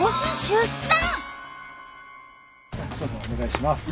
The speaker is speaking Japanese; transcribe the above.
お願いします。